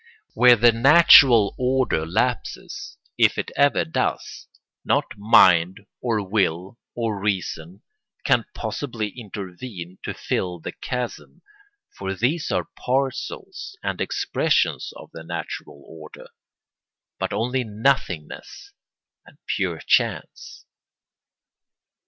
Where the natural order lapses, if it ever does, not mind or will or reason can possibly intervene to fill the chasm—for these are parcels and expressions of the natural order—but only nothingness and pure chance.